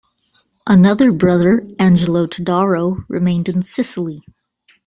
Another brother, Angelo Todaro, remained in Sicily.